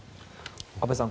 安部さん